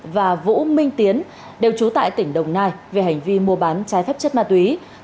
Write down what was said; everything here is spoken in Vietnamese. và vũ minh tiến đều trú tại tỉnh đồng nai về hành vi mua bán trái phép chất ma túy